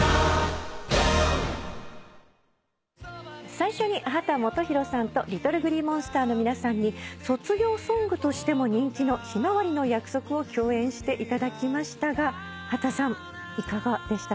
最初に秦基博さんとＬｉｔｔｌｅＧｌｅｅＭｏｎｓｔｅｒの皆さんに卒業ソングとしても人気の『ひまわりの約束』を共演していただきましたが秦さんいかがでしたか？